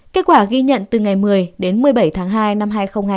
kết quả ghi nhận từ ngày một mươi đến một mươi bảy tháng hai năm hai nghìn hai mươi